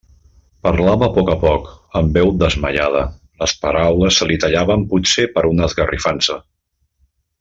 Parlava a poc a poc, amb veu desmaiada; les paraules se li tallaven potser per una esgarrifança.